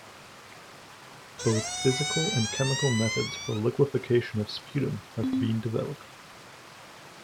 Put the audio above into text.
Both physical and chemical methods for liquefaction of sputum have been developed.